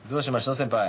先輩。